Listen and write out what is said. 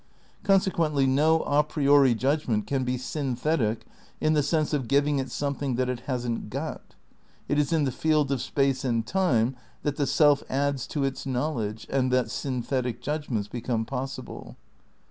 Consequently no a priori judg ment can be synthetic in the sense of giving it some thing that it hasn't got. It is in the field of space and time that the self adds to its knowledge and that syn thetic judgments become possible.